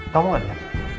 tahu gak dia